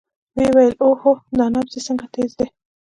ويې ويل اوهو دا نبض دې څنګه تېز دى.